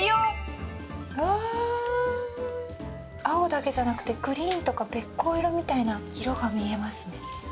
青だけじゃなくてグリーンとかべっ甲色みたいな色が見えますね。